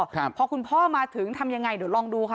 ครับพอคุณพ่อมาถึงทำยังไงเดี๋ยวลองดูค่ะ